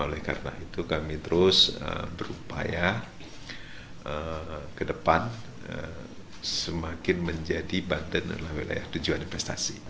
oleh karena itu kami terus berupaya ke depan semakin menjadi banten adalah wilayah tujuan investasi